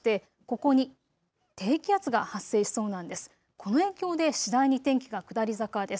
この影響で次第に天気が下り坂です。